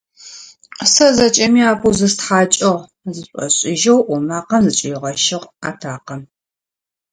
Сэ зэкӏэми апэу зыстхьакӏыгъ, - зышӏошӏыжьэу ӏо макъэм зыкӏыригъэщыгъ атакъэм.